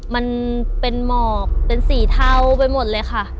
มันเป็นหมอกเป็นสีเทาไปหมดเลยค่ะ